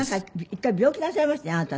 １回病気なさいましたねあなた。